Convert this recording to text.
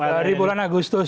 dari bulan agustus